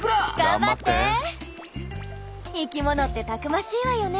生きものってたくましいわよね。